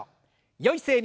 よい姿勢に。